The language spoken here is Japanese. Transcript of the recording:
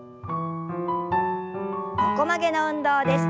横曲げの運動です。